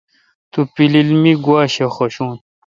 تو پیلیل می گوا شہ حوشون۔